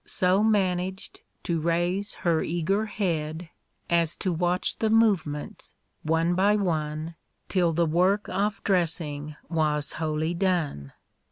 So managed to raise her eager head As to watch the movements, one by one, Till the work of dressing was wholly done.